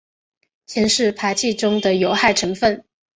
铅是排气中的有害成分。